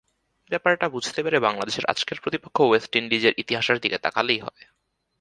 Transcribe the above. ব্যাপারটা বুঝতে বাংলাদেশের আজকের প্রতিপক্ষ ওয়েস্ট ইন্ডিজের ইতিহাসের দিকে তাকালেই হয়।